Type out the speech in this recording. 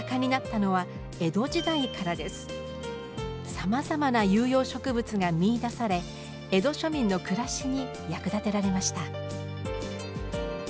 さまざまな有用植物が見いだされ江戸庶民の暮らしに役立てられました。